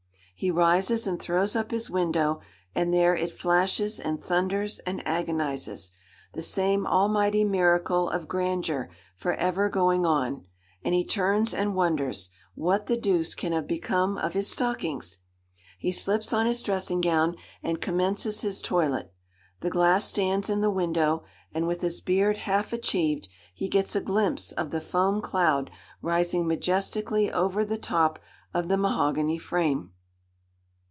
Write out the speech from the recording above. He rises and throws up his window, and there it flashes, and thunders, and agonizes—the same almighty miracle of grandeur for ever going on; and he turns and wonders—What the deuce can have become of his stockings! He slips on his dressing gown, and commences his toilet. The glass stands in the window, and with his beard half achieved, he gets a glimpse of the foam cloud rising majestically over the top of the mahogany frame.